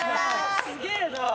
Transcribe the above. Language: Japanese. すげえなあ。